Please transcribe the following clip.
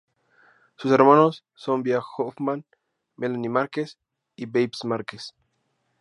Sus hermanos son Via Hoffman, Melanie Márquez y Babes Marquez.